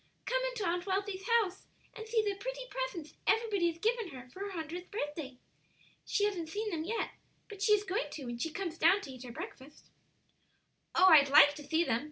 "Come into Aunt Wealthy's house and see the pretty presents everybody has given her for her hundredth birthday. She hasn't seen them yet, but she is going to when she comes down to eat her breakfast." "Oh, I'd like to see them!"